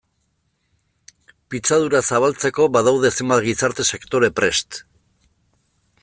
Pitzadura zabaltzeko badaude zenbait gizarte sektore prest.